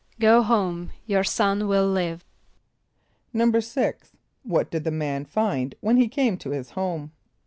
="Go home; your son will live."= =6.= What did the man find when he came to his home?